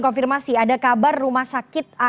konfirmasi ada kabar rumah sakit